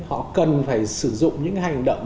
họ cần phải sử dụng những hành động